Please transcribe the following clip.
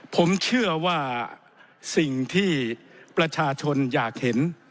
ผมเชื่อว่าสิ่งที่ประชาชนอยากเห็น